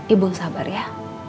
ibu sabar ya